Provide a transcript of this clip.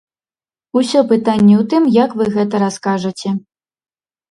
Усё пытанне ў тым, як вы гэта раскажаце.